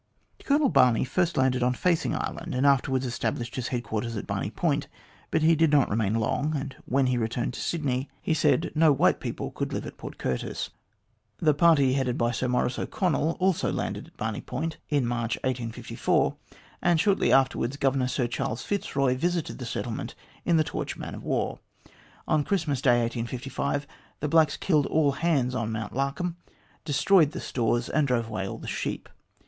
" Colonel Barney first landed on Facing Island, and afterwards established his headquarters at Barney Point ; but he did not remain long, and when he returned to Sydney, he said no white 200 THE GLADSTONE COLONY people could live at Port Curtis. The party, headed by Sir Maurice O'Connell, also landed at Barney Point in March, 1854, and shortly afterwards Governor Sir Charles Fitzroy visited the settlement in the Torch man of war. On Christmas Day, 1855, the blacks killed all hands on Mount Larcombe, destroyed the stores, and drove away all the sheep.